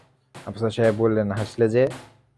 আফসার সাহেব বললেন, হাসলে যে?